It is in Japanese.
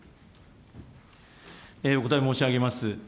お答え申し上げます。